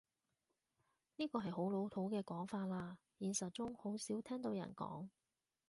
呢個係好老土嘅講法喇，現實中好少聽到人講